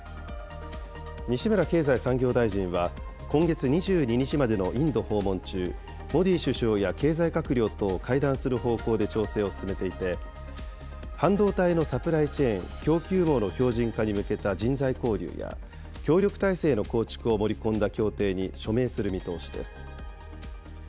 西村経済産業大臣は、今月２２日までのインド訪問中、モディ首相や経済閣僚と会談する方向で調整を進めていて、半導体のサプライチェーン・供給網の強じん化に向けた人材交流や、協力体制の構築を盛り込んだ協定に署名する見通しです。